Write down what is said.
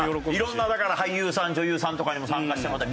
色んなだから俳優さん女優さんとかにも参加してもらって。